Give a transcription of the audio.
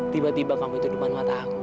tiba tiba kamu itu depan mata aku